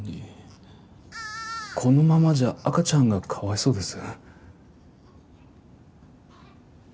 このままじゃ赤ちゃんがかわいそうです。